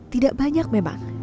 tidak banyak memang